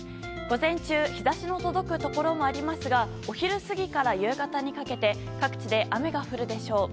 午前中日差しの届くところもありますがお昼過ぎから夕方にかけて各地で雨が降るでしょう。